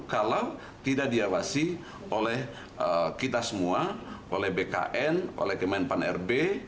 kalau tidak diawasi oleh kita semua oleh bkn oleh kemenpan rb